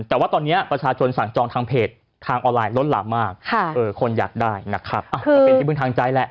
แต่ว่าตอนนี้ประชาชนสั่งจองทางเพจทางออนไลน์ลดหลับมากคนอยากได้นะครับ